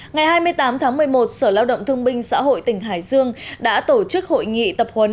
ngày hai mươi tám tháng một mươi một sở lao động thương binh xã hội tỉnh hải dương đã tổ chức hội nghị tập huấn